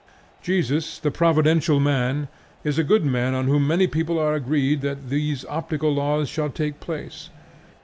Jesus, the "providential man," is a good man on whom many people are agreed that these optical laws shall take effect.